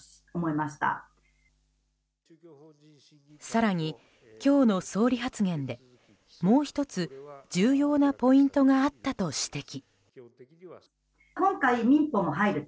更に、今日の総理発言でもう１つ重要なポイントがあったと指摘。